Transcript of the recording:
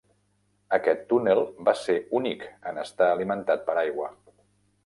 Aquest túnel va ser únic en estar alimentat per aigua.